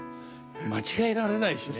間違えられないしね。